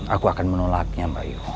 aku akan menolaknya mbak yu